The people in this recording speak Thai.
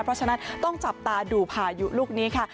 เพราะฉะนั้นต้องจับตาดูพายุลูกนี้ค่ะ